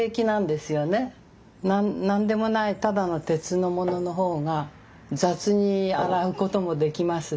何でもないただの鉄のものの方が雑に洗うこともできますし。